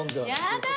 やだ！